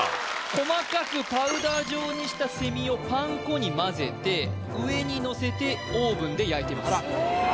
細かくパウダー状にしたセミをパン粉にまぜて上にのせてオーブンで焼いてます